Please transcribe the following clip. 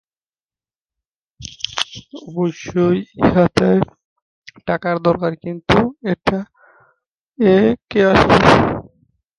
অবশ্য ইহাতে টাকার দরকার, কিন্ত এ টাকা আসিবে।